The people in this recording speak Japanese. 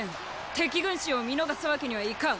敵軍師を見逃すわけにはいかん！